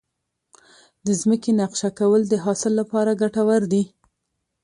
د ځمکې نقشه کول د حاصل لپاره ګټور دي.